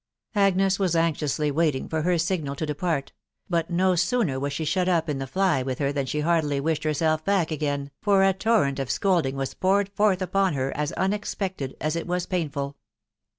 Agnes was anxiously waiting for her signal & depart ; but no sooner was she shut up in thejtyrwifh her tUA she heartily wished herself back again, for a torrent of scoffe ing was poured forth upon her as1 unexpected as it waf painful.